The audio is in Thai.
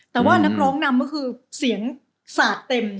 แต่ว่านักร้องนำก็คือเสียงสาดเต็ม